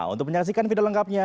untuk menyaksikan video lengkapnya